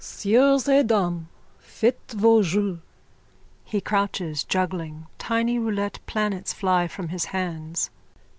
Sieurs et dames, faites vos jeux! (He crouches juggling. Tiny roulette planets fly from his hands.)